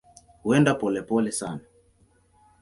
Huenda polepole sana.